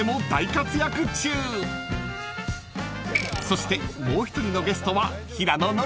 ［そしてもう一人のゲストは］